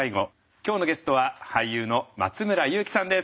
今日のゲストは俳優の松村雄基さんです。